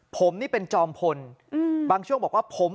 ผมนี้เป็นจอมพลบางช่วงบอกว่าผมเป็นพระราชา